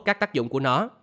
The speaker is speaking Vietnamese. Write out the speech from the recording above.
các tác dụng của nó